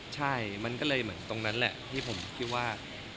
ใช่มันก็เลยเหมือนตรงนั้นแหละที่ผมคิดว่า